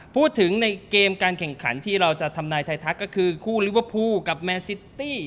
พูดถึงในเกมการแข่งขันที่เราจะทำนายไทยทักก็คือคู่ลิเวอร์พูลกับแมนซิตี้